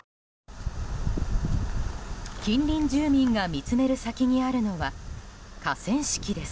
近隣住民が見つめる先にあるのは河川敷です。